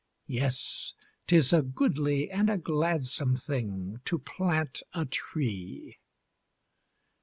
Yes, 'tis a goodly, and a gladsome thing To plant a tree.